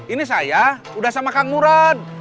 ini saya udah sama kang murad